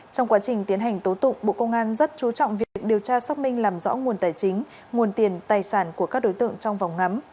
trong quá trình tiến hành tố tụng bộ công an rất chú trọng việc điều tra xác minh làm rõ nguồn tài chính nguồn tiền tài sản của các đối tượng trong vòng ngắm